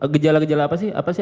gejala gejala apa sih apa sih